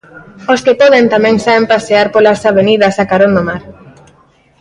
Os que poden tamén saen pasear polas avenidas a carón do mar.